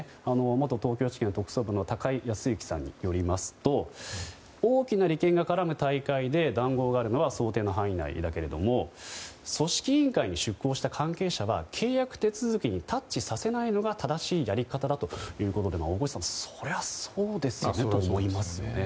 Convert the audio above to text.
元東京地検特捜部の高井康行さんによりますと大きな利権が絡む大会で談合があるのは想定の範囲内だけれども組織委員会に出向した関係者は契約手続きにタッチさせないのが正しいやり方だということで大越さん、それはそうですよねと思いますね。